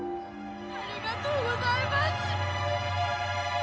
ありがとうございます！